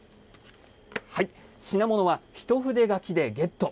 品物は一筆書きでゲット！